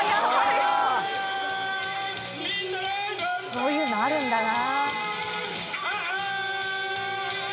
こういうのあるんだな。